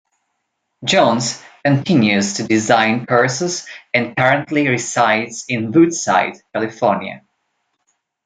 Jones continues to design courses and currently resides in Woodside, California.